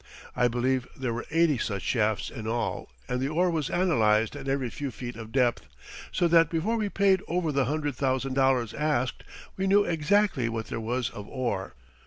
I believe there were eighty such shafts in all and the ore was analyzed at every few feet of depth, so that before we paid over the hundred thousand dollars asked we knew exactly what there was of ore.